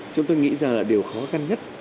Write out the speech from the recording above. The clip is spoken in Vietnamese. chúng tôi nghĩ ra là điều khó khăn nhất